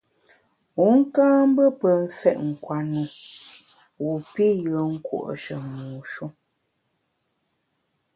Wu ka mbe pe mfèt nkwenu wu pi yùen nkùo’she mu shu.